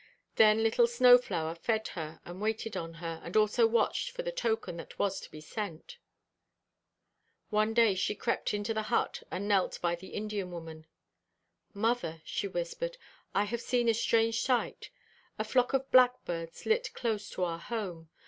Then little Snow flower fed her, and waited on her, and also watched for the token that was to be sent. One day she crept into the hut and knelt by the Indian woman. "Mother," she whispered, "I have seen a strange sight: a flock of blackbirds lit close to our home.